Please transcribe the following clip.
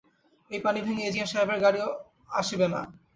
এই পানি ভেঙে এজিএম সাহেবের গাড়ি আসূবে না।